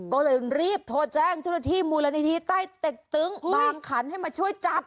ก็เลยรีบโทรแจ้งทุนที่มรณนิษฐ์ใต้เต็กตึงบางขันให้มาช่วยจับ